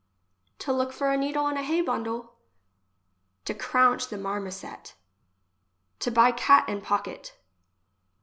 To look for a needle in a hay bundle. To craunch the marmoset. To buy cat in pocket.